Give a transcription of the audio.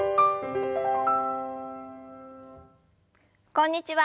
こんにちは。